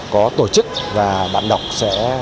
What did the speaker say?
có tổ chức và bạn đọc sẽ ngược